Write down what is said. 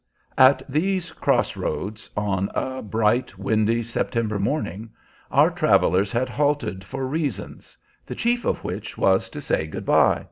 At these cross roads, on a bright, windy September morning, our travelers had halted for reasons, the chief of which was to say good by.